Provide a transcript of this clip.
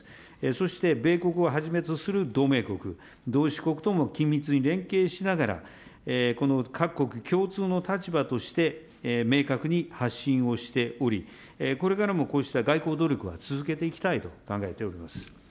そして米国をはじめとする同盟国、同志国とも緊密に連携しながら、この各国共通の立場として、明確に発信をしており、これからもこうした外交努力は続けていきたいと考えております。